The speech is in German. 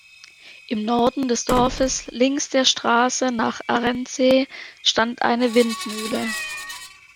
Im Norden des Dorfes links der Straße nach Arendsee stand eine Windmühle.